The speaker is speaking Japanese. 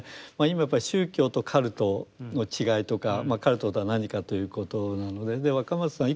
今やっぱり宗教とカルトの違いとかカルトとは何かということなので若松さん